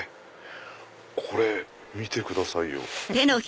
これ見てくださいよ。